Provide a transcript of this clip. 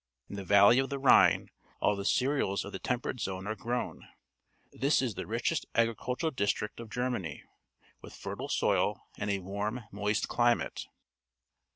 In the valley of the Rhine all the cereals of the Temperate Zone are grown. This is the richest agricultural district of Germany, with fertile soil and a warm, moist climate.